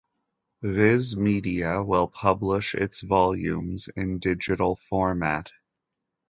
Viz Media will publish its volumes in digital format.